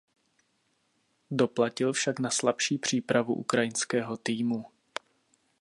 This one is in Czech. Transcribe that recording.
Doplatil však na slabší přípravu ukrajinského týmu.